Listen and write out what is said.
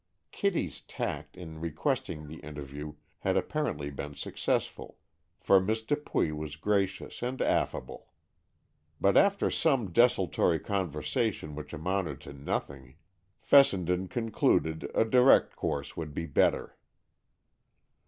Kitty's tact in requesting the interview had apparently been successful, for Miss Dupuy was gracious and affable. But after some desultory conversation which amounted to nothing, Fessenden concluded a direct course would be better.